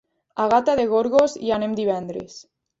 A Gata de Gorgos hi anem divendres.